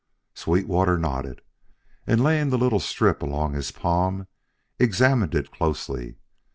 Sweetwater nodded, and laying the little strip along his palm, examined it closely.